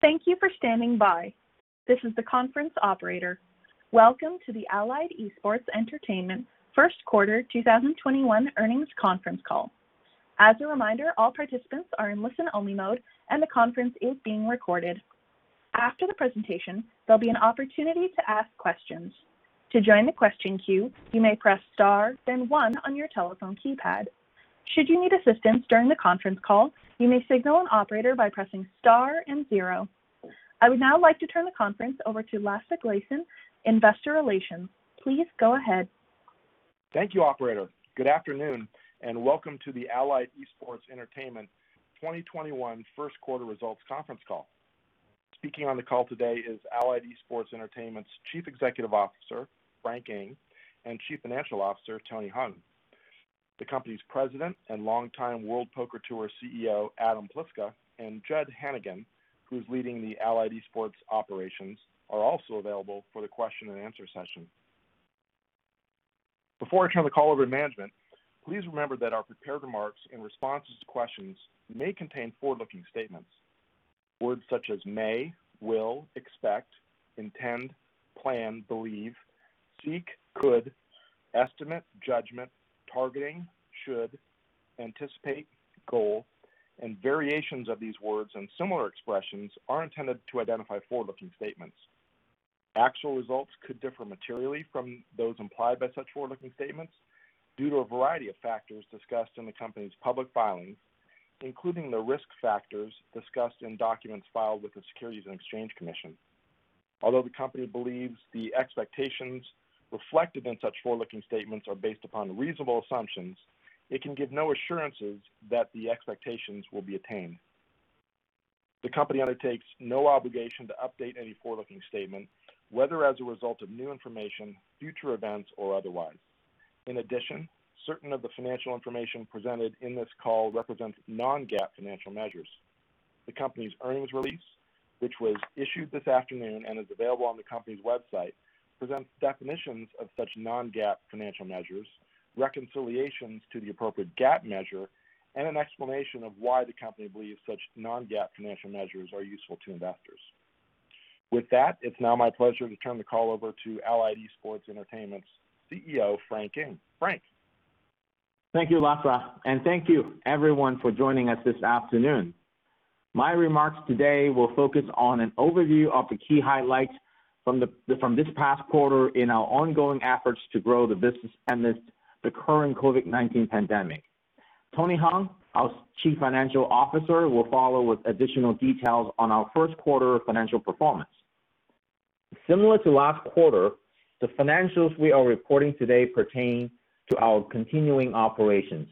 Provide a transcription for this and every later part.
Thank you for standing by. This is the conference operator. Welcome to the Allied Esports Entertainment first quarter 2021 earnings conference call. As a reminder, all participants are in listen-only mode, and the conference is being recorded. After the presentation, there'll be an opportunity to ask questions. To join the question queue, you may press star then one on your telephone keypad. Should you need assistance during the conference call, you may signal an operator by pressing star and zero. I would now like to turn the conference over to Lasse Glassen, investor relations. Please go ahead. Thank you, operator. Good afternoon. Welcome to the Allied Esports Entertainment 2021 first quarter results conference call. Speaking on the call today is Allied Esports Entertainment's Chief Executive Officer, Frank Ng, and Chief Financial Officer, Tony Hung. The company's President and longtime World Poker Tour CEO, Adam Pliska, and Judd Hannigan, who's leading the Allied Esports operations, are also available for the question and answer session. Before I turn the call over to management, please remember that our prepared remarks in responses to questions may contain forward-looking statements. Words such as may, will, expect, intend, plan, believe, seek, could, estimate, judgment, targeting, should, anticipate, goal, and variations of these words and similar expressions are intended to identify forward-looking statements. Actual results could differ materially from those implied by such forward-looking statements due to a variety of factors discussed in the company's public filings, including the risk factors discussed in documents filed with the Securities and Exchange Commission. Although the company believes the expectations reflected in such forward-looking statements are based upon reasonable assumptions, it can give no assurances that the expectations will be attained. The company undertakes no obligation to update any forward-looking statements, whether as a result of new information, future events, or otherwise. In addition, certain of the financial information presented in this call represents non-GAAP financial measures. The company's earnings release, which was issued this afternoon and is available on the company's website, presents definitions of such non-GAAP financial measures, reconciliations to the appropriate GAAP measure, and an an explanation of why the company believes such non-GAAP financial measures are useful to investors. With that, it's now my pleasure to turn the call over to Allied Esports Entertainment's CEO, Frank Ng. Frank? Thank you, Lasse, thank you everyone for joining us this afternoon. My remarks today will focus on an overview of the key highlights from this past quarter in our ongoing efforts to grow the business amidst the current COVID-19 pandemic. Tony Hung, our Chief Financial Officer, will follow with additional details on our first quarter financial performance. Similar to last quarter, the financials we are reporting today pertain to our continuing operations,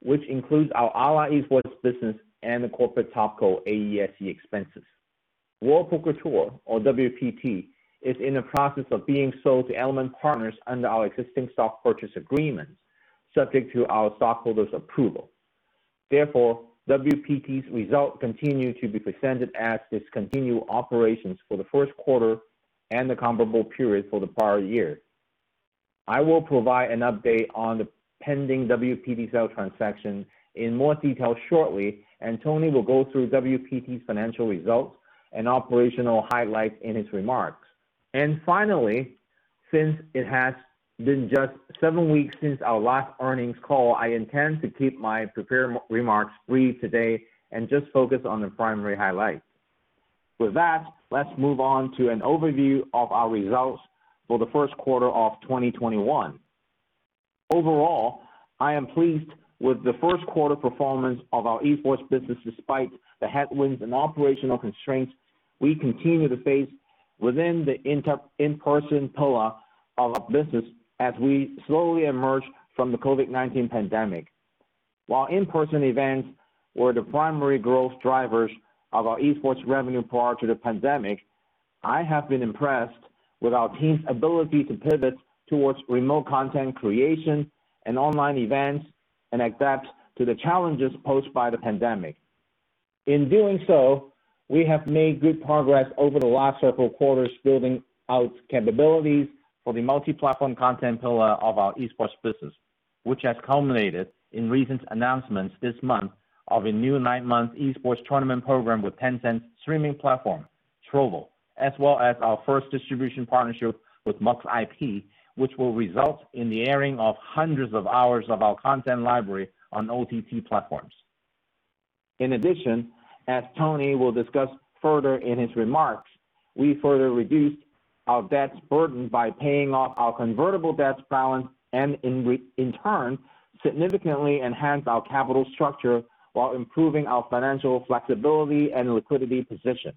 which includes our Allied Esports business and the corporate topco AESE expenses. World Poker Tour, or WPT, is in the process of being sold to Element Partners under our existing stock purchase agreement, subject to our stockholders' approval. Therefore, WPT's results continue to be presented as discontinued operations for the first quarter and the comparable period for the prior year. I will provide an update on the pending WPT sale transaction in more detail shortly. Tony will go through WPT's financial results and operational highlights in his remarks. Finally, since it has been just seven weeks since our last earnings call, I intend to keep my prepared remarks brief today and just focus on the primary highlights. With that, let's move on to an overview of our results for the first quarter of 2021. Overall, I am pleased with the first quarter performance of our esports business despite the headwinds and operational constraints we continue to face within the in-person pillar of our business as we slowly emerge from the COVID-19 pandemic. While in-person events were the primary growth drivers of our esports revenue prior to the pandemic, I have been impressed with our team's ability to pivot towards remote content creation and online events and adapt to the challenges posed by the pandemic. In doing so, we have made good progress over the last several quarters building out capabilities for the multi-platform content pillar of our esports business, which has culminated in recent announcements this month of a new nine-month esports tournament program with Tencent's streaming platform, Trovo, as well as our first distribution partnership with MuxIP, which will result in the airing of hundreds of hours of our content library on OTT platforms. In addition, as Tony will discuss further in his remarks, we further reduced our debt burden by paying off our convertible debt balance and in turn, significantly enhanced our capital structure while improving our financial flexibility and liquidity position.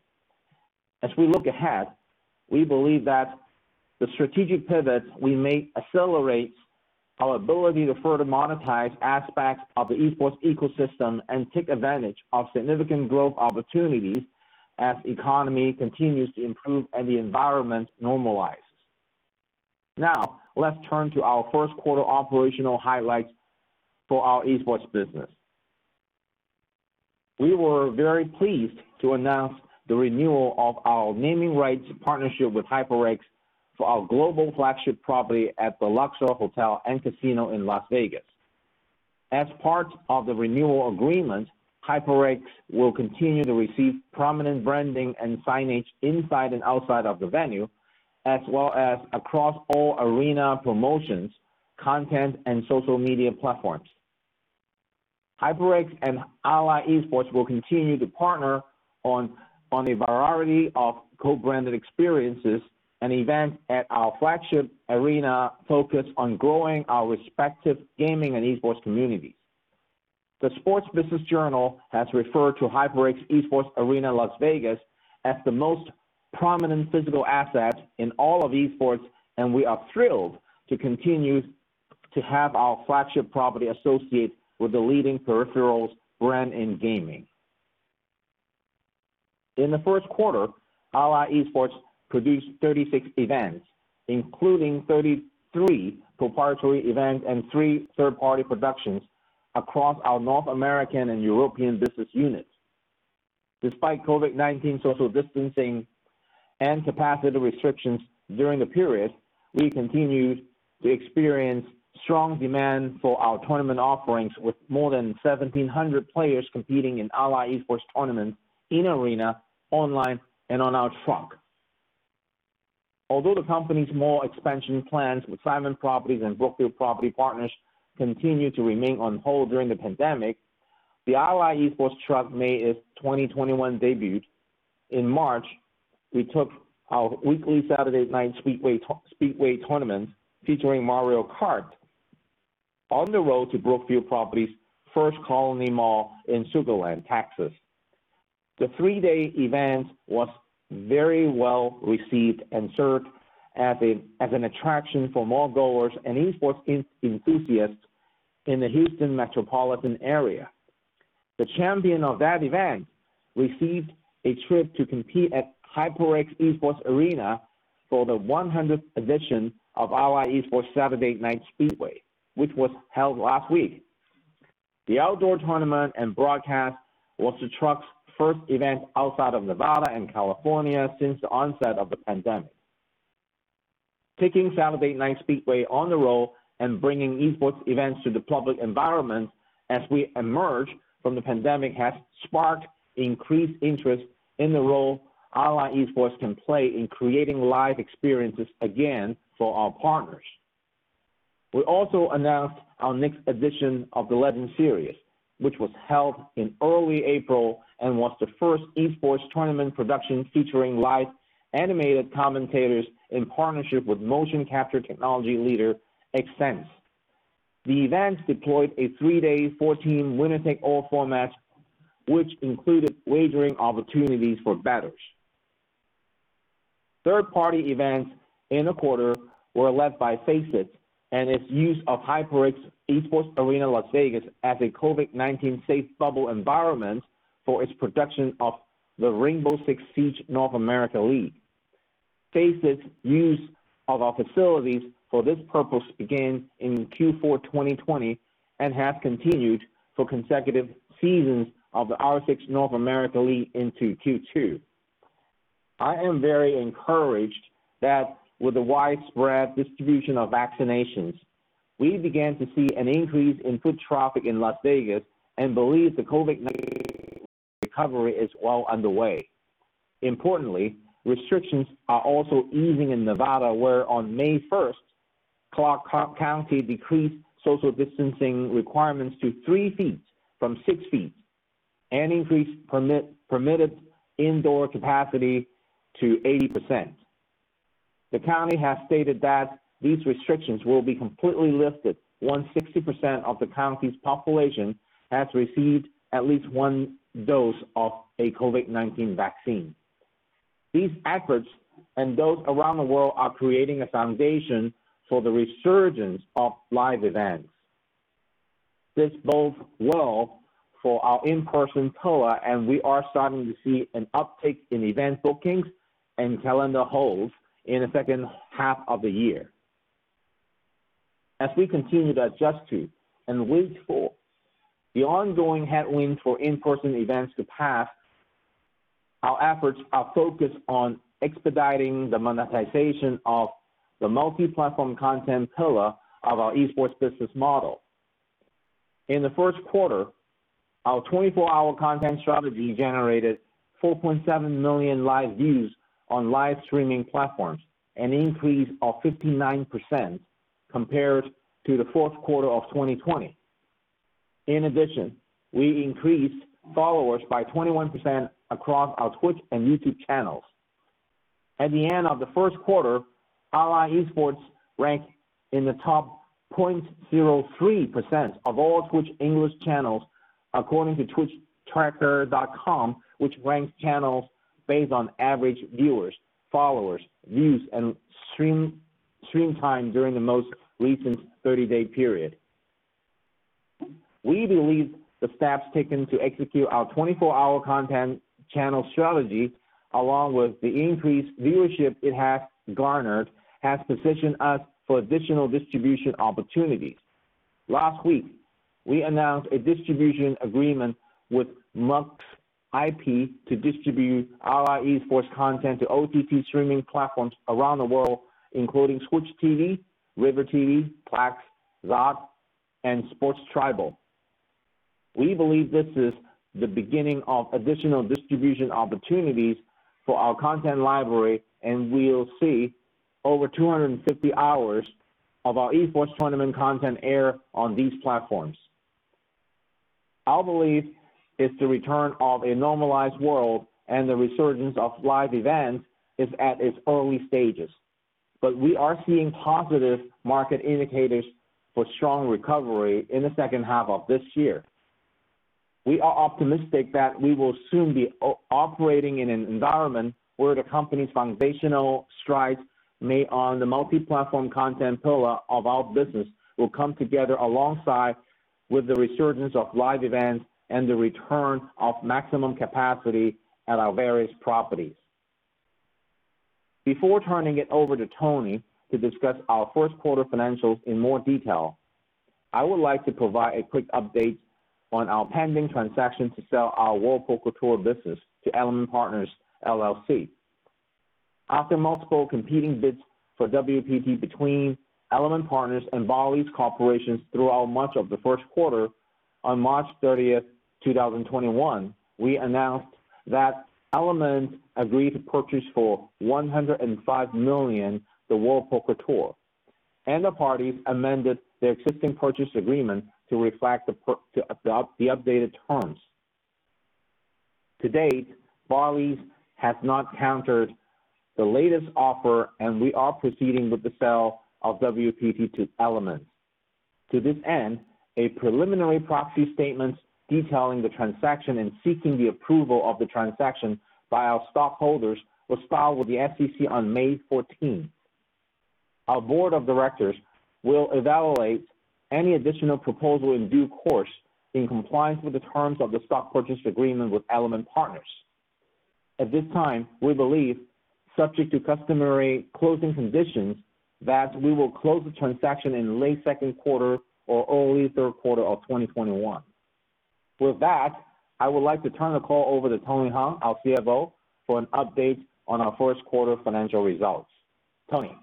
As we look ahead, we believe that the strategic pivots we made accelerate our ability to further monetize aspects of the esports ecosystem and take advantage of significant growth opportunities as the economy continues to improve and the environment normalizes. Now, let's turn to our first quarter operational highlights for our esports business. We were very pleased to announce the renewal of our naming rights partnership with HyperX for our global flagship property at the Luxor Hotel & Casino in Las Vegas. As part of the renewal agreement, HyperX will continue to receive prominent branding and signage inside and outside of the venue, as well as across all arena promotions, content, and social media platforms. HyperX and Allied Esports will continue to partner on a variety of co-branded experiences and events at our flagship arena focused on growing our respective gaming and esports communities. The Sports Business Journal has referred to HyperX Esports Arena Las Vegas as the most prominent physical asset in all of esports, and we are thrilled to continue to have our flagship property associated with the leading peripherals brand in gaming. In the first quarter, Allied Esports produced 36 events, including 33 proprietary events and three third-party productions across our North American and European business units. Despite COVID-19 social distancing and capacity restrictions during the period, we continued to experience strong demand for our tournament offerings, with more than 1,700 players competing in Allied Esports tournaments in-arena, online, and on our truck. The company's mall expansion plans with Simon Property and Brookfield Property Partners continue to remain on hold during the pandemic, the Allied Esports truck made its 2021 debut. In March, we took our weekly Saturday Night Speedway tournaments featuring Mario Kart on the road to Brookfield Property's First Colony Mall in Sugar Land, Texas. The three-day event was very well-received and served as an attraction for mall-goers and esports enthusiasts in the Houston metropolitan area. The champion of that event received a trip to compete at HyperX Esports Arena for the 100th edition of Allied Esports Saturday Night Speedway, which was held last week. The outdoor tournament and broadcast was the truck's first event outside of Nevada and California since the onset of the pandemic. Taking Saturday Night Speedway on the road and bringing esports events to the public environment as we emerge from the pandemic has sparked increased interest in the role Allied Esports can play in creating live experiences again for our partners. We also announced our next edition of the Legend Series, which was held in early April and was the first esports tournament production featuring live animated commentators in partnership with motion capture technology leader, Xsens. The event deployed a three-day, 14-winner-take-all format, which included wagering opportunities for bettors. Third-party events in the quarter were led by FACEIT and its use of HyperX Esports Arena Las Vegas as a COVID-19 safe bubble environment for its production of the Rainbow Six Siege North America League. FACEIT's use of our facilities for this purpose began in Q4 2020 and has continued for consecutive seasons of the R6 North America League into Q2. I am very encouraged that with the widespread distribution of vaccinations, we began to see an increase in foot traffic in Las Vegas and believe the COVID-19 recovery is well underway. Importantly, restrictions are also easing in Nevada, where on May 1st, Clark County decreased social distancing requirements to 3 ft from 6 ft and increased permitted indoor capacity to 80%. The county has stated that these restrictions will be completely lifted once 60% of the county's population has received at least one dose of a COVID-19 vaccine. These efforts and those around the world are creating a foundation for the resurgence of live events. This bodes well for our in-person TOA, and we are starting to see an uptick in event bookings and calendar holds in the second half of the year. As we continue to adjust to and wait for the ongoing headwinds for in-person events to pass, our efforts are focused on expediting the monetization of the multi-platform content TOA of our esports business model. In the first quarter, our 24-hour content strategy generated 4.7 million live views on live streaming platforms, an increase of 59% compared to the fourth quarter of 2020. In addition, we increased followers by 21% across our Twitch and YouTube channels. At the end of the first quarter, Allied Esports ranked in the top 0.03% of all Twitch English channels, according to twitchtracker.com, which ranks channels based on average viewers, followers, views, and stream time during the most recent 30-day period. We believe the steps taken to execute our 24-hour content channel strategy, along with the increased viewership it has garnered, has positioned us for additional distribution opportunities. Last week, we announced a distribution agreement with MuxIP to distribute our esports content to OTT streaming platforms around the world, including Twitch.tv, RiverTV, Plex, Zot, and SportsTribal. We believe this is the beginning of additional distribution opportunities for our content library, and we'll see over 250 hours of our esports tournament content air on these platforms. Our belief is the return of a normalized world and the resurgence of live events is at its early stages. We are seeing positive market indicators for strong recovery in the second half of this year. We are optimistic that we will soon be operating in an environment where the company's foundational strides made on the multi-platform content pillar of our business will come together alongside with the resurgence of live events and the return of maximum capacity at our various properties. Before turning it over to Tony to discuss our first quarter financials in more detail, I would like to provide a quick update on our pending transaction to sell our World Poker Tour business to Element Partners, LLC. After multiple competing bids for WPT between Element Partners and Bally's Corporation throughout much of the first quarter, on March 30th, 2021, we announced that Element agreed to purchase for $105 million the World Poker Tour, and the parties amended their existing purchase agreement to reflect the updated terms. To date, Bally's has not countered the latest offer, and we are proceeding with the sale of WPT to Element. To this end, a preliminary proxy statement detailing the transaction and seeking the approval of the transaction by our stockholders was filed with the SEC on May 14th. Our board of directors will evaluate any additional proposal in due course in compliance with the terms of the stock purchase agreement with Element Partners. At this time, we believe, subject to customary closing conditions, that we will close the transaction in late second quarter or early third quarter of 2021. With that, I would like to turn the call over to Tony Hung, our CFO, for an update on our first quarter financial results. Tony?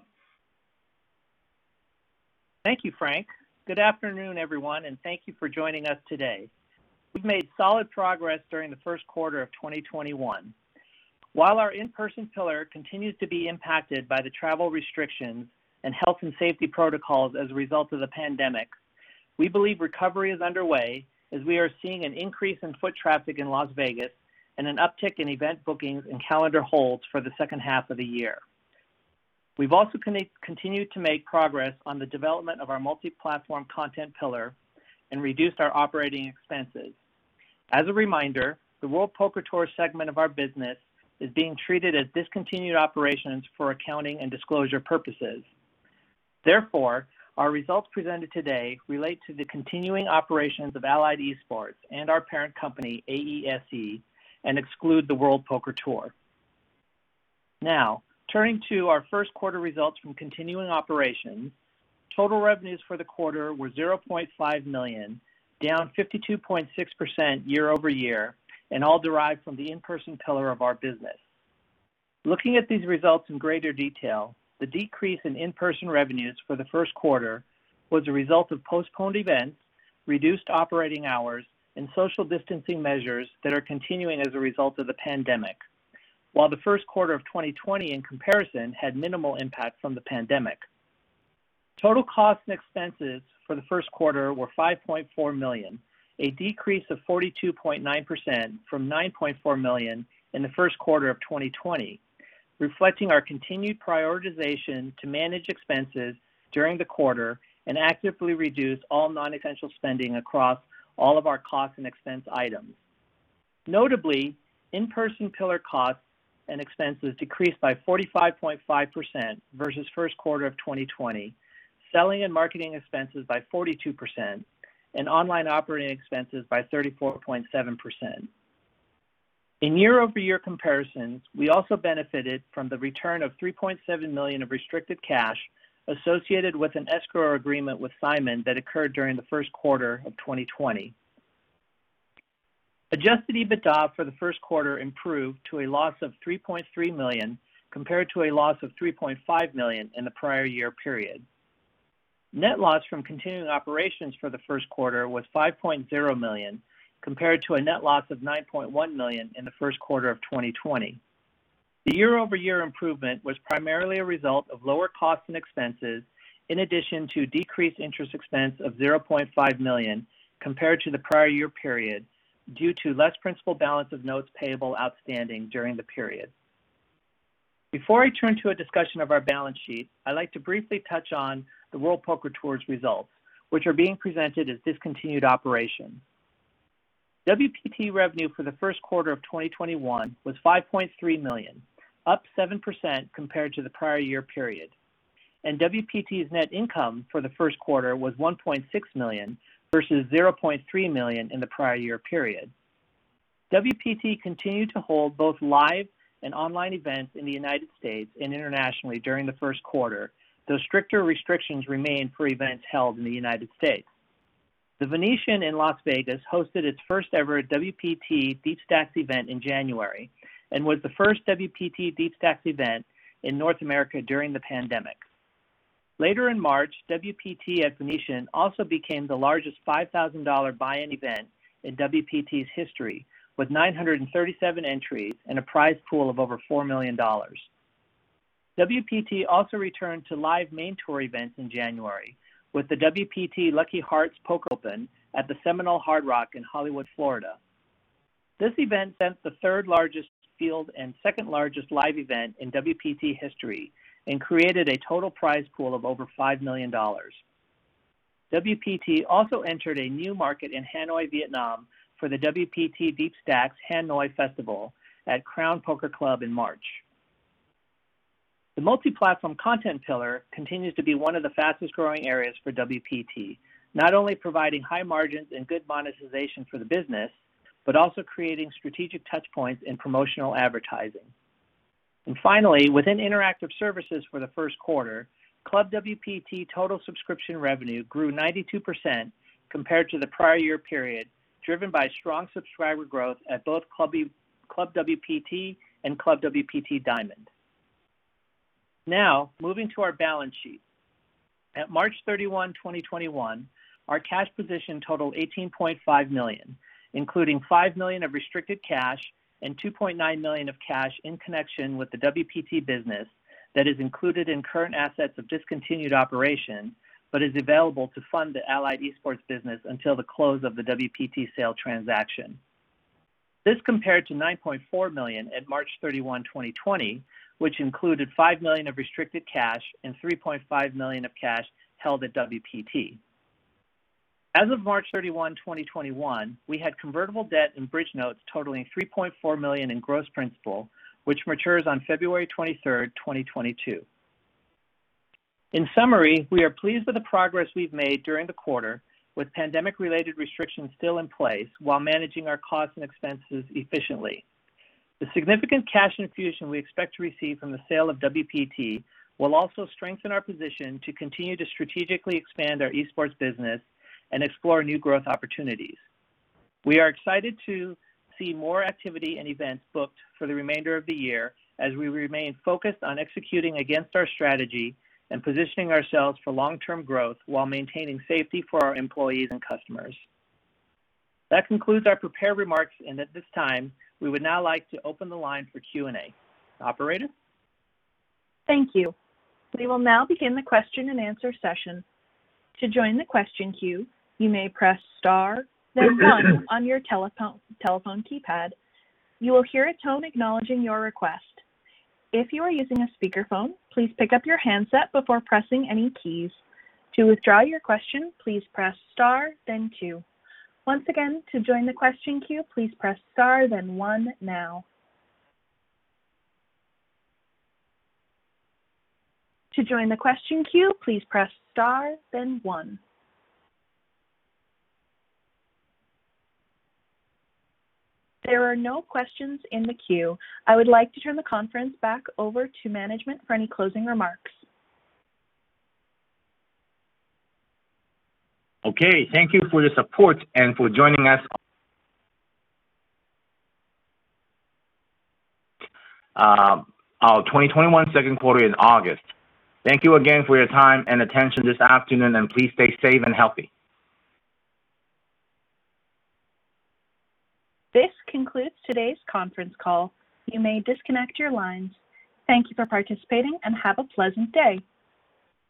Thank you, Frank. Good afternoon, everyone, and thank you for joining us today. We've made solid progress during the first quarter of 2021. While our in-person pillar continues to be impacted by the travel restrictions and health and safety protocols as a result of the pandemic, we believe recovery is underway as we are seeing an increase in foot traffic in Las Vegas and an uptick in event bookings and calendar holds for the second half of the year. We've also continued to make progress on the development of our multi-platform content pillar and reduced our operating expenses. As a reminder, the World Poker Tour segment of our business is being treated as discontinued operations for accounting and disclosure purposes. Therefore, our results presented today relate to the continuing operations of Allied Esports and our parent company, AESE, and exclude the World Poker Tour. Turning to our first quarter results from continuing operations. Total revenues for the quarter were $0.5 million, down 52.6% year-over-year, and all derived from the in-person pillar of our business. Looking at these results in greater detail, the decrease in in-person revenues for the first quarter was a result of postponed events, reduced operating hours, and social distancing measures that are continuing as a result of the pandemic. While the first quarter of 2020 in comparison had minimal impact from the pandemic. Total costs and expenses for the first quarter were $5.4 million, a decrease of 42.9% from $9.4 million in the first quarter of 2020, reflecting our continued prioritization to manage expenses during the quarter and actively reduce all non-essential spending across all of our cost and expense items. Notably, in-person pillar costs and expenses decreased by 45.5% versus first quarter of 2020, selling and marketing expenses by 42%, and online operating expenses by 34.7%. In year-over-year comparisons, we also benefited from the return of $3.7 million of restricted cash associated with an escrow agreement with Simon that occurred during the first quarter of 2020. Adjusted EBITDA for the first quarter improved to a loss of $3.3 million compared to a loss of $3.5 million in the prior year period. Net loss from continuing operations for the first quarter was $5.0 million compared to a net loss of $9.1 million in the first quarter of 2020. The year-over-year improvement was primarily a result of lower costs and expenses in addition to a decreased interest expense of $0.5 million compared to the prior year period due to less principal balance of notes payable outstanding during the period. Before I turn to a discussion of our balance sheet, I'd like to briefly touch on the World Poker Tour's results, which are being presented as discontinued operations. WPT revenue for the first quarter of 2021 was $5.3 million, up 7% compared to the prior year period. WPT's net income for the first quarter was $1.6 million versus $0.3 million in the prior year period. WPT continues to hold both live and online events in the United States and internationally during the first quarter, though stricter restrictions remain for events held in the United States. The Venetian in Las Vegas hosted its first-ever WPTDeepStacks event in January and was the first WPTDeepStacks event in North America during the pandemic. Later in March, WPT at Venetian also became the largest $5,000 buy-in event in WPT's history, with 937 entries and a prize pool of over $4 million. WPT also returned to live main tour events in January with the WPT Lucky Hearts Poker Open at the Seminole Hard Rock in Hollywood, Florida. This event sent the third largest field and second largest live event in WPT history and created a total prize pool of over $5 million. WPT also entered a new market in Hanoi, Vietnam, for the WPTDeepStacks Hanoi Festival at Crown Poker Club in March. The multi-platform content pillar continues to be one of the fastest-growing areas for WPT, not only providing high margins and good monetization for the business but also creating strategic touchpoints in promotional advertising. Finally, within interactive services for the first quarter, ClubWPT total subscription revenue grew 92% compared to the prior year period, driven by strong subscriber growth at both ClubWPT and ClubWPT Diamond. Now, moving to our balance sheet. At March 31, 2021, our cash position totaled $18.5 million, including $5 million of restricted cash and $2.9 million of cash in connection with the WPT business that is included in current assets of discontinued operation but is available to fund the Allied Esports business until the close of the WPT sale transaction. This compared to $9.4 million at March 31, 2020, which included $5 million of restricted cash and $3.5 million of cash held at WPT. As of March 31, 2021, we had convertible debt and bridge notes totaling $3.4 million in gross principal, which matures on February 23rd, 2022. In summary, we are pleased with the progress we've made during the quarter with pandemic-related restrictions still in place while managing our costs and expenses efficiently. The significant cash infusion we expect to receive from the sale of WPT will also strengthen our position to continue to strategically expand our Esports business and explore new growth opportunities. We are excited to see more activity and events booked for the remainder of the year as we remain focused on executing against our strategy and positioning ourselves for long-term growth while maintaining safety for our employees and customers. That concludes our prepared remarks, and at this time, we would now like to open the line for Q&A. Operator? Thank you. We will now begin the question-and-answer session. To join the question queue, you may press star then one on your telephone keypad. You will hear a tone acknowledging your request. If you are using a speakerphone, please pick up your handset before pressing any keys. To withdraw your question, please press star then two. Once again, to join the question queue, please press star then one now. To join the question queue, please press star then one. There are no questions in the queue. I would like to turn the conference back over to management for any closing remarks. Okay, thank you for your support and for joining us. Our 2021 second quarter in August. Thank you again for your time and attention this afternoocted to 'in August' as spelledn, and please stay safe and healthy. This concludes today's conference call. You may disconnect your lines. Thank you for participating and have a pleasant day.